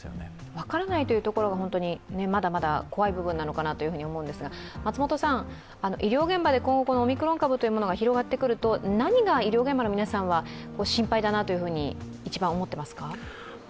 分からないというところがまだまだ怖い部分なのかなと思うのですが、医療現場で今後オミクロン株というものが広がってくると何が医療現場の皆さんは心配だなと一番思っていますか。